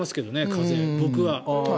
風を、僕は。